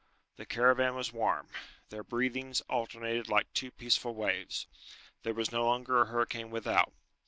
The caravan was warm. Their breathings alternated like two peaceful waves. There was no longer a hurricane without.